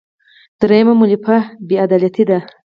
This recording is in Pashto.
درېیمه مولفه بې عدالتي ده.